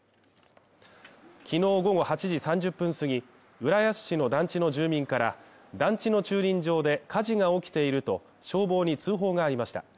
きのう午後８時３０分すぎ、浦安市の団地の住民から、団地の駐輪場で火事が起きていると消防に通報がありました。